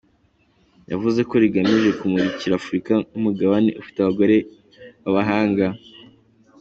Yavuze ko rigamije kumurika Afurika nk’Umugabane ufite abagore b’abahanga.